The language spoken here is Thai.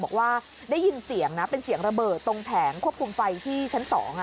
บอกว่าได้ยินเสียงนะเป็นเสียงระเบิดตรงแผงควบคุมไฟที่ชั้น๒